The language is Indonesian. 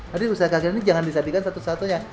jadi usaha kagenan ini jangan disadikan satu satunya